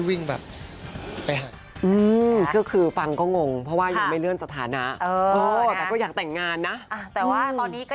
วิ่งแบบไปหักก็คือฟังก็งงเพราะว่ายังไม่เลื่อนสถานะแต่ก็อยากแต่งงานนะแต่ว่าตอนนี้ก็